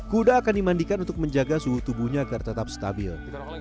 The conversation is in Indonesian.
kuda akan dimandikan untuk menjaga suhu tubuhnya agar tetap stabil